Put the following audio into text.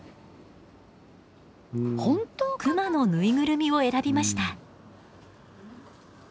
クマの縫いぐるみを選びました。